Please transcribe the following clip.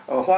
rồi chứa là